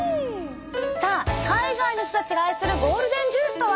さあ海外の人たちが愛するゴールデンジュースとは？